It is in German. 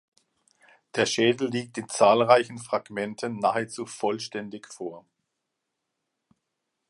Der Schädel liegt in zahlreichen Fragmenten nahezu vollständig vor.